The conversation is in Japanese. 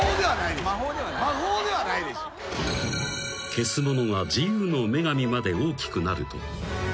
［消すものが自由の女神まで大きくなると］